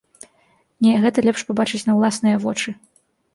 Не, гэта лепш пабачыць на ўласныя вочы.